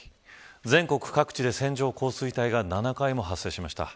全国各地で線状降水帯が７回も発生しました。